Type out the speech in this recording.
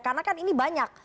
karena kan ini banyak